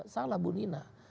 salah bu nina